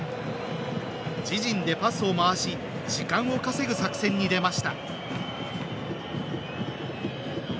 自陣でパスを回し時間を稼ぐ作戦に出ました。